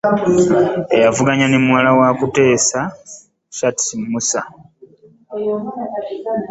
Eyavuganya ne muwala wa Minisita Sam Kuteesa, Shartsi Musher